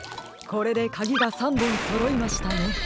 これでかぎが３ぼんそろいましたね。